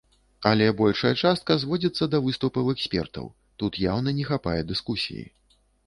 Але большая частка зводзіцца да выступаў экспертаў, тут яўна не хапае дыскусіі.